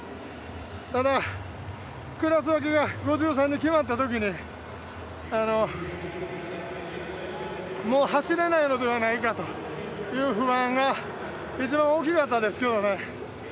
ただ、クラス分けがＴ５３に決まったときにもう、走れないのではないかという不安が一番大きかったですけどね。